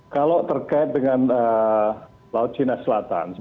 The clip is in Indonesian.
kalau terkait dengan laut cina selatan